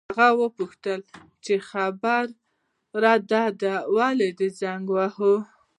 هغې وپوښتل: څه خبره ده، ولې دې زنګ وواهه؟